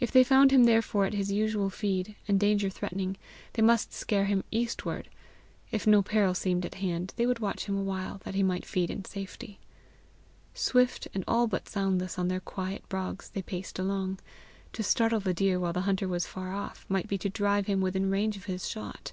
If they found him therefore at his usual feed, and danger threatening, they must scare him eastward; if no peril seemed at hand, they would watch him a while, that he might feed in safety. Swift and all but soundless on their quiet brogs they paced along: to startle the deer while the hunter was far off, might be to drive him within range of his shot.